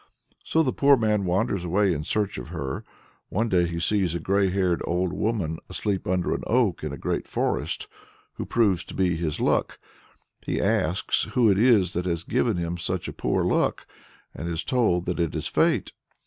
So the poor man wanders away in search of her. One day he sees a grey haired old woman asleep under an oak in a great forest, who proves to be his Luck. He asks who it is that has given him such a poor Luck, and is told that it is Fate.